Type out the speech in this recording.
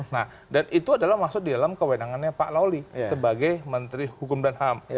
nah dan itu adalah maksud di dalam kewenangannya pak lawli sebagai menteri hukum dan ham